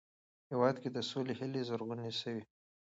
په هېواد کې د سولې هیلې زرغونې سوې.